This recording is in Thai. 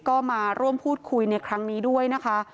ก็มาร่วมพูดคุยในครั้งนี้ด้วยนะคะ